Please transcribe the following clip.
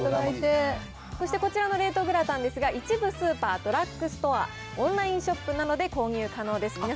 そしてこちらの冷凍グラタンですが、一部スーパー、ドラッグストア、オンラインショップなどで購入可能です。